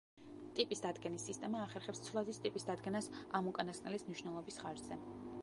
ტიპის დადგენის სისტემა ახერხებს ცვლადის ტიპის დადგენას ამ უკანასკნელის მნიშვნელობის ხარჯზე.